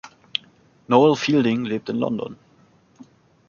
Noel Fielding lebt in London.